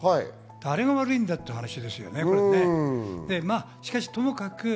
誰が悪いんだって話ですよね。